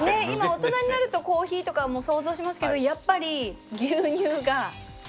今大人になるとコーヒーとかも想像しますけどやっぱり牛乳が合う。